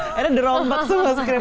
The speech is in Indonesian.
akhirnya derombak semua skripnya